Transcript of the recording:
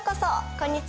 こんにちは。